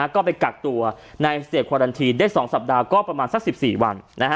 ก็ไปกักตัวในสเตจควารันทีนได้๒สัปดาห์ก็ประมาณสัก๑๔วัน